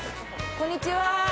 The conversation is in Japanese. こんにちは。